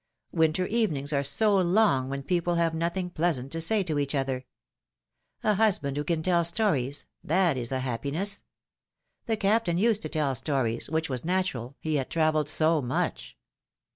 Winter evenings are so long, when people have nothing pleasant to say to each other. A husband who can tell stories, that is a happiness! The Captain used to tell stories, which was natural — he had travelled so much.